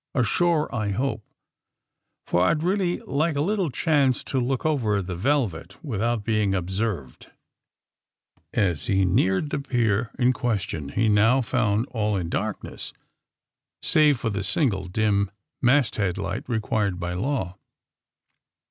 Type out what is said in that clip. Ashore, I hope, for I'd really like a little chance to look over the * Velvet' without being ob served." 56 THE SUBMARINE BOYS As lie neared the pier in question lie now found all in darkness, save for the single, dim mast head light required by law.